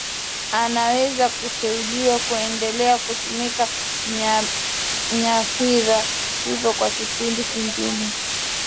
anaweza kuteuliwa kuendelea kutumikia nyadhifa hiyo kwa kipindi kingine